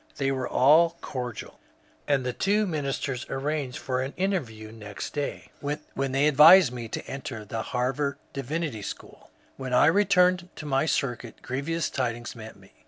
They were all cordial, and the two ministers arranged for an interview next day, when they advised me to enter the Harvard Divinity SchooL When I returned to my circuit grievous tidings met me.